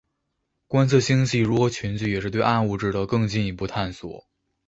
观测星系如何群聚也是对暗物质的更进一步探索。